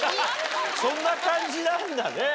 そんな感じなんだね。